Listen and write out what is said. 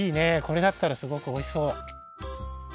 これだったらすごくおいしそう！